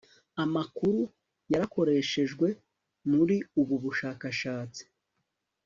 amakuru yakoreshejwe muri ubu bushakashatsi